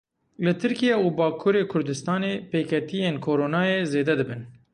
Li Tirkiye û Bakurê Kurdistanê pêketiyên Koronayê zêde dibin.